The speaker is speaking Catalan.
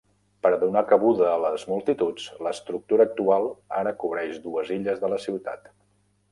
Per a donar cabuda a les multituds, l'estructura actual ara cobreix dues illes de la ciutat.